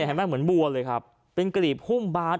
เหมือนบัวเลยครับเป็นกลีบหุ้มบาน